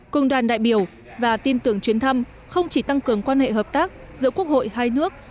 cùng đoàn đại biểu và tin tưởng chuyến thăm không chỉ tăng cường quan hệ hợp tác giữa quốc hội hai nước